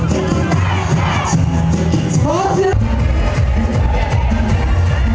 วันนี้เสร็จว่าการจัดของพร้อมเนี่ย